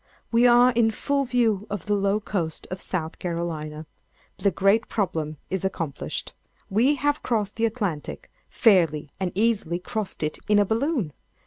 We are in full view of the low coast of South Carolina_. The great problem is accomplished. We have crossed the Atlantic—fairly and easily crossed it in a balloon!